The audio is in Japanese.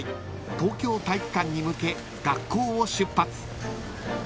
東京体育館に向け学校を出発］